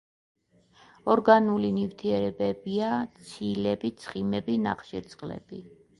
ორგანული ნივთიერებებია: ცილები, ცხიმები, ნახშირწყლები.